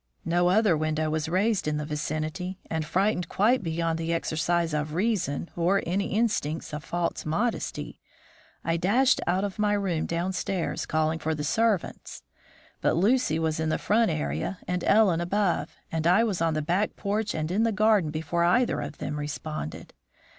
No other window was raised in the vicinity, and, frightened quite beyond the exercise of reason or any instincts of false modesty, I dashed out of my room downstairs, calling for the servants. But Lucy was in the front area and Ellen above, and I was on the back porch and in the garden before either of them responded.